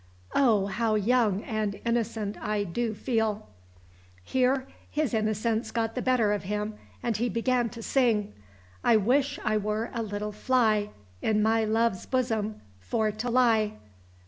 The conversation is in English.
Oh! how young and innocent I do feel!" Here his innocence got the better of him, and he began to sing, "I wish I were a little fly, in my love's bosom for to lie!"